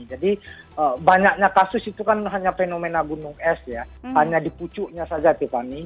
jadi banyaknya kasus itu kan hanya fenomena gunung es ya hanya dipucuknya saja devani